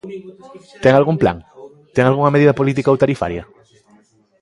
¿Ten algún plan?, ¿ten algunha medida política ou tarifaria?